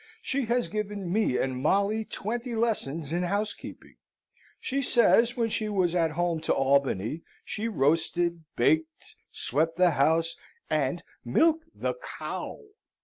She has given me and Molly twenty lessons in housekeeping. She says, when she was at home to Albany, she roasted, baked, swept the house, and milked the cow."